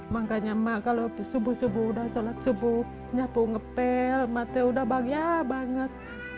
makanya mak kalau subuh subuh udah sholat subuh nyapu ngepel mati udah bahagia banget